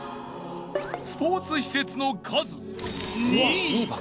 スポーツ施設の数２位。